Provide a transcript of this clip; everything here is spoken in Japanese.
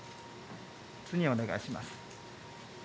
次、お願いします。